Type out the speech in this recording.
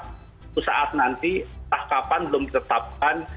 suatu saat nanti entah kapan belum ditetapkan